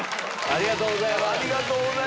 ありがとうございます。